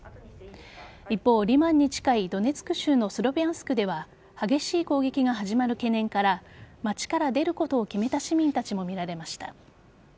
一方、リマンに近いドネツク州のスロビャンスクでは激しい攻撃が始まる懸念から街から出ることを決めた市民たちも見られました。